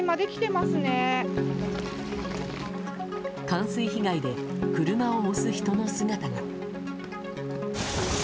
冠水被害で車を押す人の姿が。